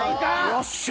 よっしゃ！